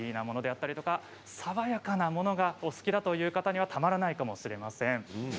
爽やかなものがお好きな方にはたまらないかもしれません。